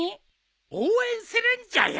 応援するんじゃよ。